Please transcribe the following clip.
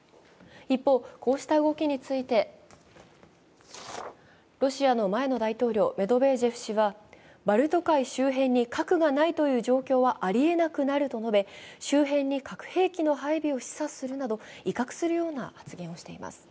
一方、こうした動きについてロシアの前の大統領メドベージェフ氏はバルト海周辺に核がないという状況はありえなくなると述べ周辺に核兵器の配備を示唆するなど、威嚇するような発言をしています。